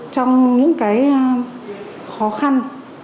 trong những cái khó khăn